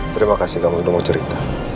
terima kasih kamu nunggu cerita